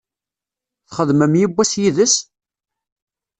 Txedmem yewwas yid-s?